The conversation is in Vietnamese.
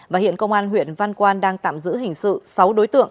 và hiện công an huyện văn quan đang tạm giữ hình sự sáu đối tượng